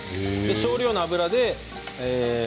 少量の油で。